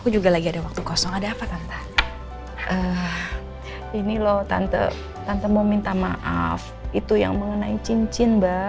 jadi menghambat seperti ini